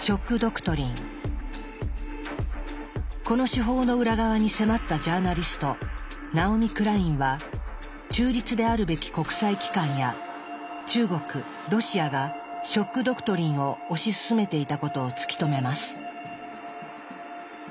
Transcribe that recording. この手法の裏側に迫ったジャーナリストナオミ・クラインは中立であるべき国際機関や中国ロシアが「ショック・ドクトリン」を推し進めていたことを突き止めます。